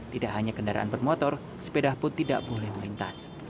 tidak hanya kendaraan bermotor sepeda pun tidak boleh melintas